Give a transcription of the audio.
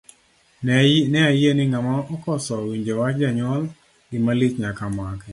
Ne ayie ni ng'ama okoso winjo wach janyuol, gima lich nyaka make.